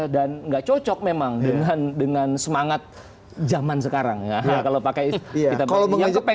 dan nggak cocok memang dengan semangat zaman sekarang ya kalau pakai kita bilang